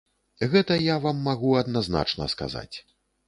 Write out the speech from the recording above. Гэта я вам магу адназначна сказаць.